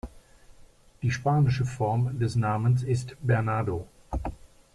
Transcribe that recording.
Die spanische Form des Namens ist Bernardo.